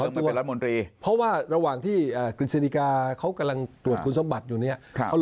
คือไปรัฐมนตรีเพราะว่าระหว่างที่กริจนิการ์ตรวจคุณสมบัติอยู่นี้